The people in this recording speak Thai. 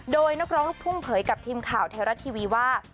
โดยนักร้องลูกทุ่งเผยกับทีมข่าวไทยรัฐทีวีว่า